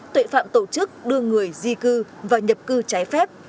tội phạm tổ chức đưa người di cư và nhập cư trái phép